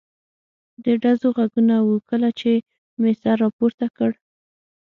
د ډزو غږونه و، کله چې مې سر را پورته کړ.